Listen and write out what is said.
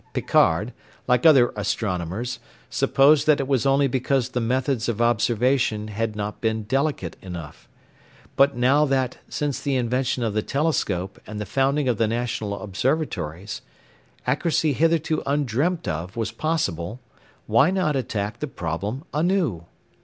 Picard, like other astronomers, supposed that it was only because the methods of observation had not been delicate enough; but now that, since the invention of the telescope and the founding of National Observatories, accuracy hitherto undreamt of was possible, why not attack the problem anew?